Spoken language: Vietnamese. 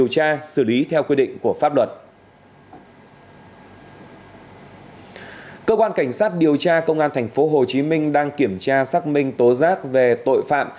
cơ quan cảnh sát điều tra công an thành phố hồ chí minh đang kiểm tra xác minh tố giác về tội phạm